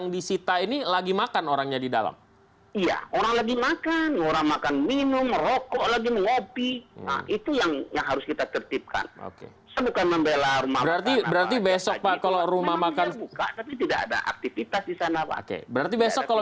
di saat orang betul berpuasa